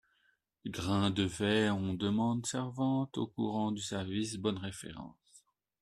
Grains de Vais On demande servante au courant du service, bonnes références.